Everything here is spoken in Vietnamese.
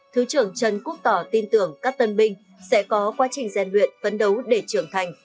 thứ trưởng trần quốc tỏ tin tưởng các tân binh sẽ có quá trình gian luyện phấn đấu để trưởng thành